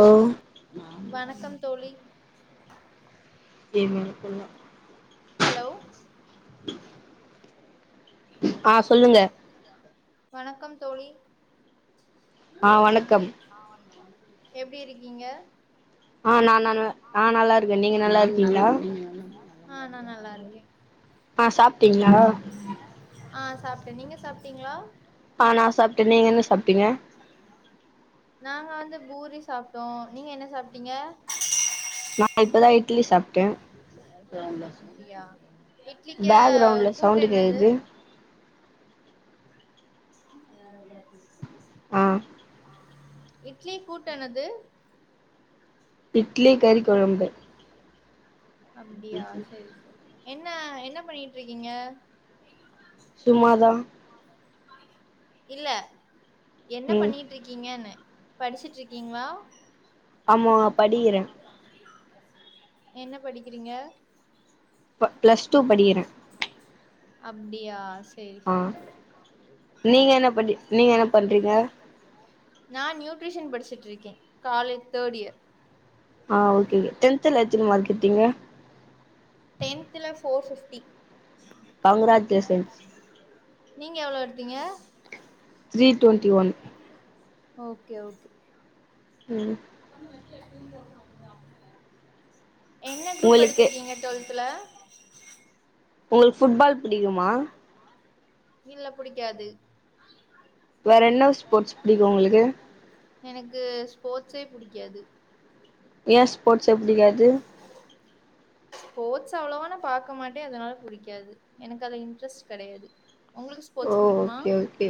ஓ வணக்கம் தோழி [inaudible] [inaudible] ஆஹ் சொல்லுங்க வணக்கம் தோழி ஆ வணக்கம் எப்டி இருக்கீங்க ஆ நான் ஆ நா நல்லா இருக்கே ஆ சாப்ட்டீங்களா ஓகே ஆ சாப்டே நீங்க சாப்பிட்டீங்களா ஆ நா சாப்ட்டே நீங்க என்ன சாப்ட்டீங்க நா வந்து பூரி சாப்டோம் நீங்க என்ன சாப்டீங்க நா இப்பதா இட்லி சாப்டே அப்டியா இட்லிக்க பேக்கிரவுண்ட்ல கூட்டு சவுண்டு என்னது கேக்குது ஆ ஆ இட்லி கூட்டெனது இட்லி கறி கொழம்பு அப்டியா செரி செரி என்ன என்ன பண்ணிட்ருக்கீங்க சும்மாதா இல்ல என்ன ம் பண்ணிட்ருக்கீங்கன்னே படிச்சுட்ருக்கீங்களா ஆமா படிக்கிறே என்ன படிக்றீங்க ப ப்ளஸ் டூ படிக்கிறே அப்படியா ஸ் ஆ நீங்க என்ன பண்ணி நீங்க என்ன பண்றீங்க நான் நியூட்ரிஷன் படிச்சுட்டுருக்கே காலேஜ் தேர்ட் இயர் ஆ ஓகே டென்த்துல எத்தினி மார்க் எடுத்தீங்க டென்த்துல ஃபோர் ஃபிஃப்டி கங்க்ராஜ்லேஷன்ஸ் நீங்க எவ்ளோ எடுத்தீங்க three twenty one okay okay ம் எ என்ன க்ரூப் உங்களுக்கு எடுத்திருக்கீங்க டொல் த்துல உங்களுக் ஃபுட்பால் பிடிக்குமா இல்ல புடிக்காது வேற என்ன ஸ்போர்ட்ஸ் புடிக்கூ உங்ளுக்கு எனக்கு ஸ்போர்ட்ஸே புடிக்காது ஏ ஸ்போர்ட்ஸே புடிக்காது ஸ்போர்ட்ஸ் அவ்ளவா நா பாக்க மாட்டே அதனால புடிக்காது எனக்கு அது இன்ட்ரெஸ்ட் கெடையாது உங்களுக்கு ஓ ஸ்போர்ட்ஸ் புடிக்குமா ஓகே ஓகே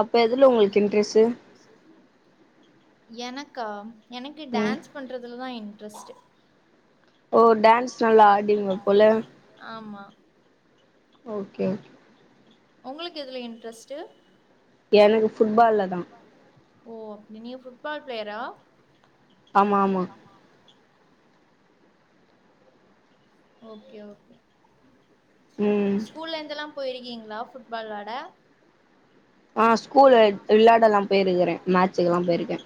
அப் ப எதுல உங்ளுக்கு இன்ட்ரெஸ்ஸு எனக்கா எனக்கு ம் டான்ஸ் பண்றதுல தா இன் ட்ரெஸ்ட்டு ஓ டான்ஸ் நல்லா ஆடுவீங்க போல ஆமா ஓகே ஓகே உங்களுக்கு எதுல இன்ட்ரெஸ்ட் எனக்கு ஃபுட்பால்ல தா ஓ அப்டி நீங்க ஃபுட்பால் பிளேயரா ஆமாமா ஓகே ஓகே ம் ஸ்கூல்ல இந்தெல்லா போயிரி க்கீங்ளா ஃபுட்பால் விளயாட ஆ ஸு கூலு விளையாடல்லா போயிருக்கறே மேச்சுக்கு எல்லா போய்ருக்கே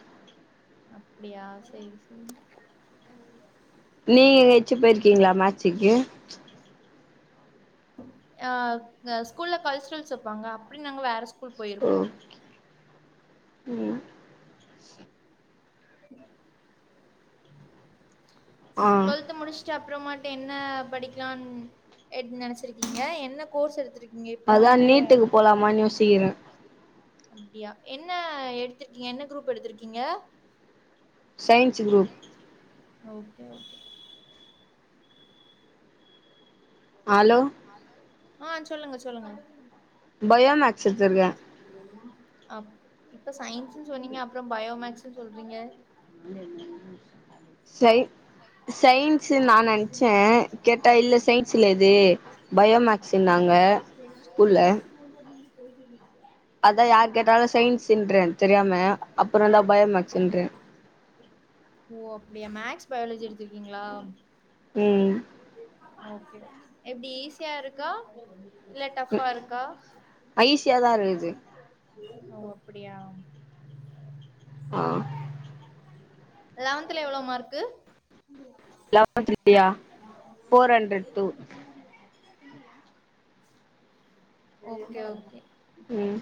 அப்டியா செரி செரி நீங்க எங்கயாச்சு போயிர் க்கீங்ளா மேச்சிக்கு அஹ் த ஸ்கூல்ல கல்ச்சரல்ஸ் வெப்பாங்க அப்பிடி நாங்க வேற ஸ் கூல் ஓ போயிருக்கோ ம் [inaudible] ஆ டுவெல்த் முடிச்சிட்டு அப்பறமா என்ன படிக்கலான் எட் நெனைச்சிருக்கீங்க என்ன கோர்ஸ் எடுத்திருக் அதான் நீட்டுக்கு போலாமான் யோசிக்கிறே அப்டியா என்ன எடுத்திருக்கீங்க என்ன குரூப் எடுத்திருக்கீங்க science group okay okay hello ஆ சொல்லுங்க சொல்லுங்க பயோ மேக்ஸ் எடுத்ருக்கே அப் இப்ப சயின் க்கு சொன்னீங்க அப்றோ பயோ மேக்ஸ் ட்டு சொல்றீங்க சை சயின்ஸ் நா நென்ச்சே கேட்டா இல்ல சயின்ஸ் இல்ல இது பயோ மேக்ஸ்ன்னாங்க ஸ்கூல்ல அதா யாருக்கேட்டாலு சயின்ஸ்ன்றே தெரியாம அப்றோதா பயோமேக்ஸ்ன்றே ஓ அப்டியா மேக்ஸ் பயாலஜி எடுத்திருக்கீங்களா ம் ஓகே ஓகே எப்டி ஈசியா இருக்கா இல்ல ம் டப்பா இருக்கா ஈஸியாதா இருக்குது ஓ அப்டியா ஆ லெவன்த்ல எவ்ளா மார்க்கு [inaudible] தியா four hundred two okay okay ம்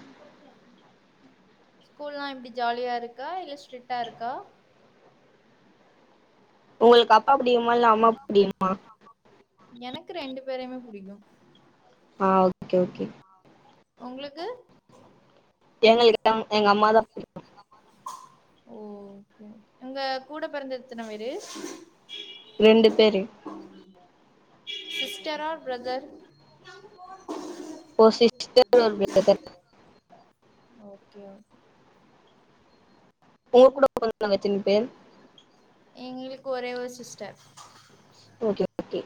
ஸ்கூல்லா எப்டி ஜாலியா இருக்கா இல்ல ஸ்ட்ரிட்டா இருக்கா உங்களுக்கு அப் அப்டிம்மா இல்ல அம்மா இப்டிம்பா எனக்கு ரெண்டு பேரையிமே புடிக்கு ஆ ஓகே ஓகே உங்களுக்கு எங்களு [inaudible] எங்க அம்மா தா புடி ஓ ஓகே ஓகே ஒங்க கூட பிறந்த எத்தன வேரு ரெண்டு பேரு sister or brother okay okay [inaudible] உங்க கூட பொறந்தவங்க எத்தினி பேர் எங்களுக்கு ஒரே ஒரு சிஸ்டர் ஓகே ஓகே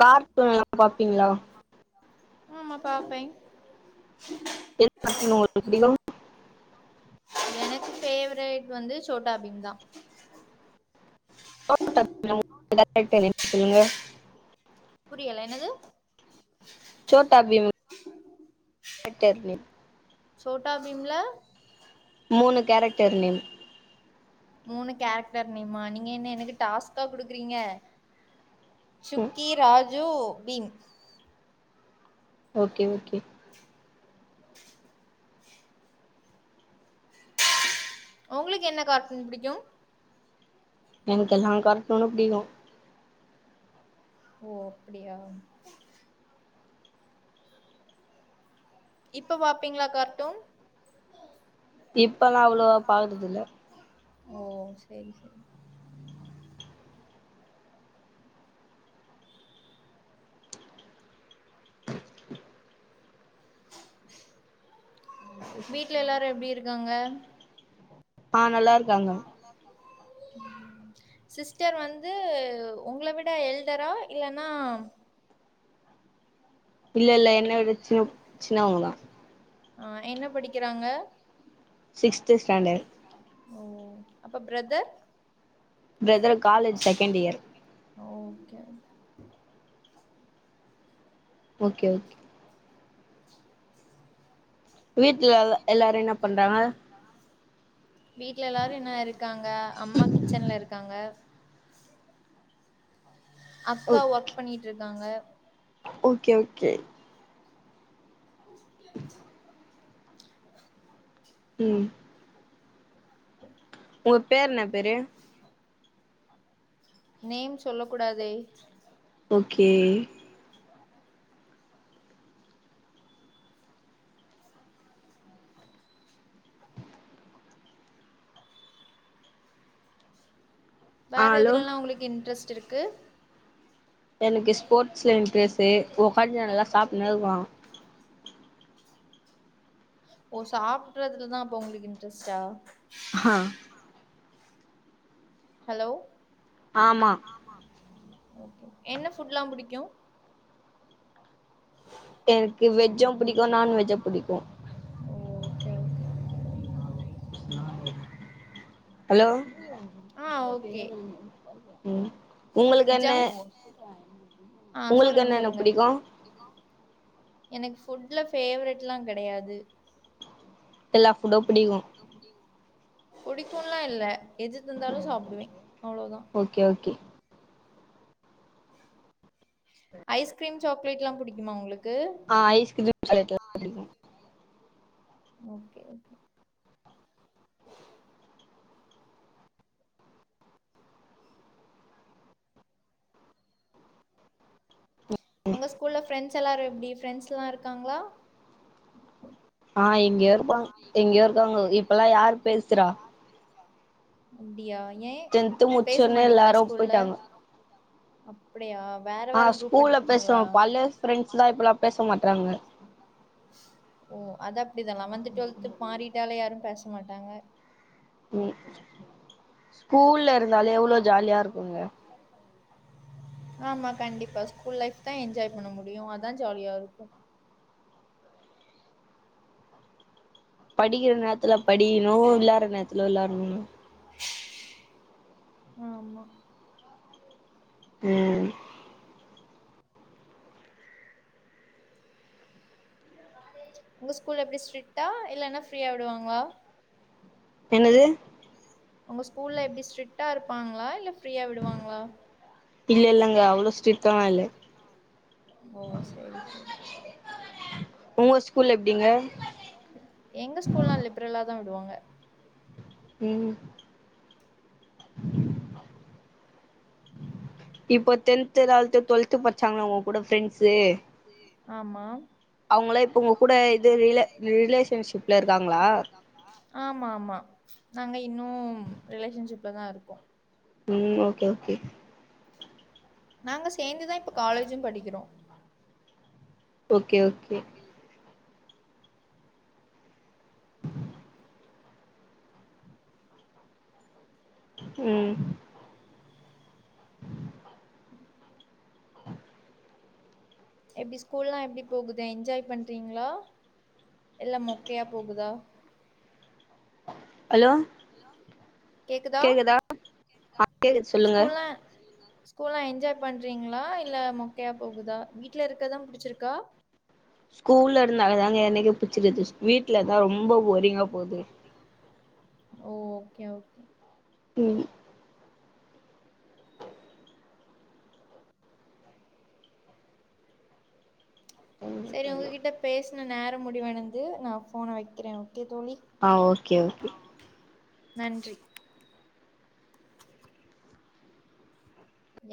கார் [unintelligible] [unintelligible] அப்டிங்ளா ஆமா பாப்பே [inaudible] பிடிக்கூ எனக்கு ஃபேவரேட் வந்து சோட்டாபீம் தா [unintelligible] சொல்லுங்க புரியல என்னது சோட்டா பீம் [unintelligible] நேம் சோட்டா பீம்ல மூணு கேரக்டர் நேம் மூணு கேரக்டர் நேமா நீங்க என்ன எனக்கு டாஸ்கா குடுக்குறீங்க ம் சுக்கி ராஜு பீம் ஓகே ஓகே உங்ளுக்கு என்ன கார்ட்டூன் புடிக்கு எனக்கெல்லாங் கார்ட்டூனு பிடிக்கு ஓ அப்டியா இப்ப பாப்பீங்ளா கார்ட்டூன் இப்பல்லாம் அவ்வளோ பாக்குறது இல்ல ஓ செரி செரி வீட்ல எல்லாரும் எப்படி இருக்காங்க ஆஹ் நல்லா இருக்கு காங்க சிஸ்டர் வந்து உங்களை விட எல்டரா இல்லன்னா இல்ல இல்ல என்ன ஒரு சின்ன சின்னவங்கதான் அஹ் என்ன படிக்கிறாங்க சிக்ஸ்த் ஸ்டாண்டர்ட் ஓ அப்ப brother brother college second year okay okay okay வீட்டுல எல்லாரும் என்ன பண்றாங்க வீட்ல எல்லாரும் என்ன இருக்காங்க அம்மா கிச்சன்ல இருக்காங்க அக்கா ஓகே ஒர்க் பண்ணிட்டு இருக் இருக்காங்க ஓகே ஓகே [inaudible] உம் ஹ [inaudible] உங்க பேர் என்ன பேரு நேம் சொல்ல கூடாதே ஓக்கே ஆ வேற ஹலோ இதுலல்லாம் உங்களுக்கு இன்டரஸ்ட் இருக்கு என்னக்கு சி ஸ்போர்ட்ஸ்ல இன்ட்ரெஸ்ட்டு உகார்ந்து நல்லா சாப்பிடனதுவான் ஓ சாப்பிடுறதுலதான் அப்போ உங்களுக்கு இன்ட்ரெஸ்டா ஆஹ் ஹலோ ஆமா என்ன ஃபுட்ல்லாம் புடிக்கும் எனக்கு வெஜ்ஜும் புடிக்கும் நான்வெஜ்ஜும் புடிக்கும் ஓகே ஓகே ஹலோ ஆ ஓகே உம் உங்களுக்கு என்ன ஜங்க் ஆ உங்களுக்கு சொல்லுங்க என்ன என்ன சொல்லுங்க புடிக்கோ எனக்கு ஃபுட்ல ஃபேவரெட்லா கெடையாது எல்லா ஃபுட்டோ புடிக்கோ புடிக்கும்லா இல்ல எது தந்தாலு சாப்புடுவே ஓக்கே ஓக்கே ஐஸ்கிரீம் சாக்லேட் எல்லா புடிக்குமா உங்களு ஆஹ் ஐஸ்கிரீம் சாக்லேட் எல்லா புடிக்கோ ஓகே ஓகே உங்க ஸ்கூல்ல ஃபிரெண்ட்ஸ் ல்லாரு எப்டி ஃப்ரெண்ட்ஸ் எல்லா இருக்காங்களா எங்கையோ இருக்காங்க எங்கையோ இருக்காங்க இப்பல்லா யாரு பேசுறா அப்டியா ஏன் டென்த்து பேச முச்சோனே மாட்டீங்களா எல்லாரு ஸ்கூல்ல அப்பட் ஆஹ் ஸ்கூல்ல பேசுவோ பழைய ஃப்ரெண்ட்ஸ்லா இப்பல்லா பேசமா ட்றாங்க ஓ அது அப்டிதா லெவன்த் டுவெல்து மாறிட் டாலே யாரும் பேச மாட்டாங்க ம் ஸ்கூல்ல இருந்தாலே எவ்ளோ ஜாலியா இருக்குங்க ஆமா கண்டிப்பா ஸ்கூல் லைஃப் தா என்ஜாய் பண்ண முடியு அத்தா ஜாலியா இருக்கோ படிக்கிற நேரத்துல படிக்கணு வெளையாட்ற நேரத்துல வெளையாட்னு கே ஆமா உம் உங்க ஸ்கூல் எப்டி ஸ்ரிட்டா இல்லன்னா ஃப்ரீயா விடுவாங்களா என்னது உங்க ஸ்கூல்ல எப்டி ஸ்ட்ரிக்டா இருப்பாங்களா இல்ல ஃப்ரீயா விடுவாங்களா இல்ல இல்லங்க அவ்வளோ ஸ்ரிட் ஓ சேரி சேரி உங்க ஸ்கூல் எப்டிங்க தா விடுவாங்க உம் இப்ப டென்த்து டூவல்த்து டூவெல்த்து பச்சாங்கல்ல உங்க கூட ஃப்ரெண்ட்சு ஆமா அவங்களா இப்ப உங்க கூட இது ரில ரிலேஷன்ஷிப்ல இருக்காங்களா ஆமா ஆமா நாங்க இன்னும் ரிலேஷன்ஷிப்ல தா இருக்கோம் ம் ஓகே ஓகே நாங்க சேந்துதா இப்ப காலேஜும் படிக்கிறோம் ஓகே ஓகே ம் ஆஹ எப்டி ஸ்கூல்லல்லா எப்டி போகுது என்ஜாய் பண்றீங்களா இல்ல மொக்கையா போகுதா ஹலோ கேக்குதா ஆ கேக்குது சொல்லுங்க ஸ்கூல்லாம் என்ஜாய் பண்றீங்களா இல்ல மொக்கையா போகுதா வீட்ல இருக்கதா புடிச்சிருக்கா ஸ்கூல் ல இருந்தால தாங்க எனக்கு பிச்சிருது வீட்ல தா ரொம்ப போரிங்கா போகுது ஓ ஓகே ஓகே ம் சேரி உங்ககிட்ட பேசுன நேரம் முடிவடைந்தது நா போனை வைக்கிறே ஓகே தோழி ஆ ஓகே ஓகே நன்றி